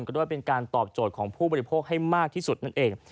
ก็ด้วยเป็นการตอบโจทย์ของผู้บริโภคให้มากที่สุดนั่นเอง